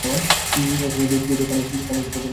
একসঙ্গে জড়িয়ে কানে এসে বাজলে শিউরে উঠতে হয়।